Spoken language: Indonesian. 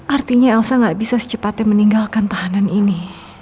artinya elsa tidak bisa secepatnya meninggalkan tahanan ini